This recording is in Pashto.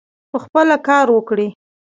پخپله کار وکړي.